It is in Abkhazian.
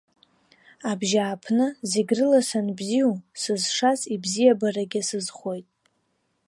Абжьааԥны, зегьрыла санбзиоу, сызшаз ибзиабарагьы сызхоит.